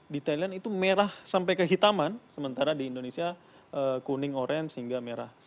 di thailand itu merah sampai kehitaman sementara di indonesia kuning orange hingga merah